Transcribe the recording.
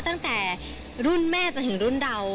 ตั้งแต่รุ่นแม่จนถึงรุ่นเรา